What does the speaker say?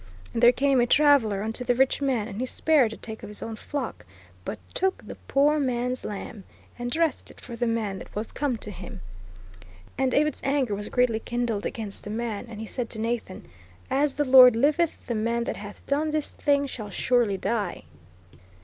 "And there came a traveller unto the rich man, and he spared to take of his own flock, ... but took the poor man's lamb, and dressed it for the man that was come to him. "And David's anger was greatly kindled against the man; and he said to Nathan, As the Lord liveth, the man that hath done this thing shall surely die